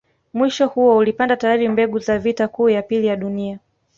Mwisho huo ulipanda tayari mbegu za vita kuu ya pili ya dunia